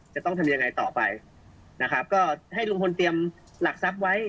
จะต้องทำยังไงต่อไปนะครับก็ให้ลุงพลเตรียมหลักทรัพย์ไว้